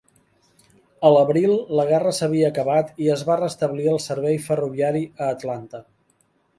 A l'abril, la guerra s'havia acabat i es va restablir el servei ferroviari a Atlanta.